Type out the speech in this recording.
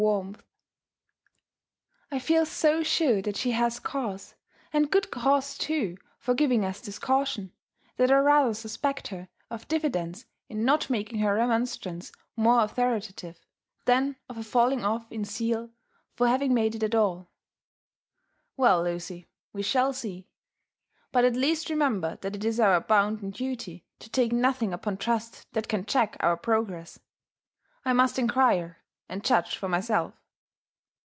77 warmlh :'' I feel so sure that she has cause; and good cause loo^ for giTiogus this caution, that I rather suspect her of diffidence in not making her remonstrance more authoritative, than of a falling off in zeal for having made it at all." " Well, I^ucy, we shall see. But at least rememher that it is our bounden duty to take nothing upon trust that can check our progress. I must inquire, and judge for myself."